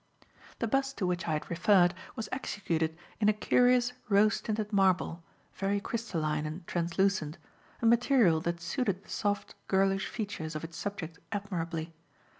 The bust to which I had referred was executed in a curious, rose tinted marble, very crystalline and translucent, a material that suited the soft, girlish features of its subject admirably.